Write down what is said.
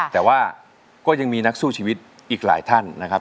แต่ว่าก็ยังมีนักสู้ชีวิตอีกหลายท่านนะครับ